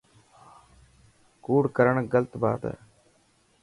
ڪوڙ ڪرڻ غلط بات هي.